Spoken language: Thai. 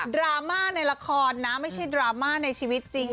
ดราม่าในละครนะไม่ใช่ดราม่าในชีวิตจริง